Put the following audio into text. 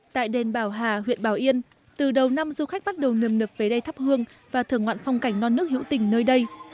tại đền bảo hà huyện bảo yên từ đầu năm du khách bắt đầu nườm nập về đây thắp hương và thưởng ngoạn phong cảnh non nước hữu tình nơi đây